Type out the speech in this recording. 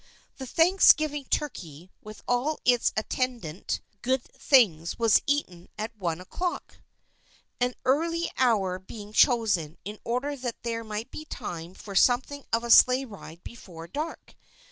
The Thanksgiving turkey, with all its attendant good things, was eaten at one o'clock, an early hour being chosen in order that there might be time for something of a sleigh ride before dark.